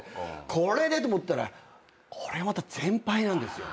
これでと思ったらこれがまた全敗なんですよ。